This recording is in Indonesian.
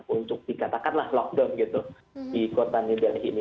untuk dikatakanlah lockdown gitu di kota new delhi ini